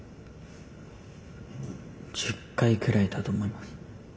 １０回くらいだと思います。